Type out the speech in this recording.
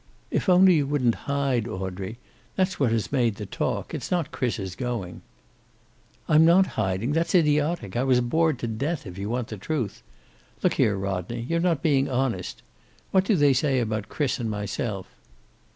"If only you wouldn't hide, Audrey. That's what has made the talk. It's not Chris's going." "I'm not hiding. That's idiotic. I was bored to death, if you want the truth. Look here, Rodney. You're not being honest. What do they say about Chris and myself?"